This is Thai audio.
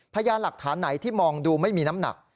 พยานหลักฐานไหนที่มองดูไม่มีน้ำหนัก